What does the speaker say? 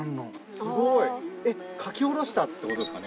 すごいえっ書き下ろしたってことですかね